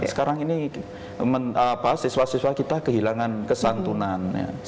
sekarang ini siswa siswa kita kehilangan kesantunan